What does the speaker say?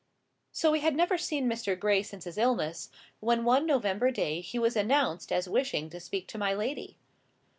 So we had never seen Mr. Gray since his illness, when one November day he was announced as wishing to speak to my lady.